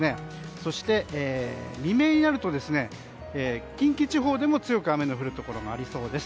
そして、未明になると近畿地方でも強く雨の降るところがありそうです。